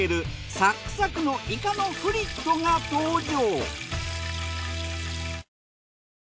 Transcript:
サックサクのイカのフリットが登場。